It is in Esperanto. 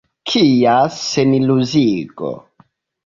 Kia seniluziigo.